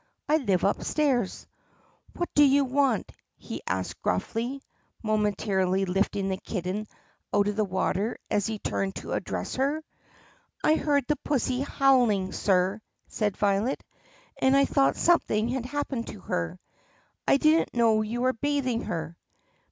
"I live upstairs." "What do you want?" he asked gruffly, momentarily lifting the kitten out of the water as he turned to address her. "I heard the pussy howling, sir," said Violet, "and I thought something had happened to her. I did n't know you were bathing her."